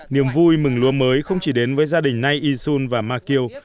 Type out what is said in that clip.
niềm vui mừng lúa mới không chỉ đến với gia đình nay yisun và ma kiều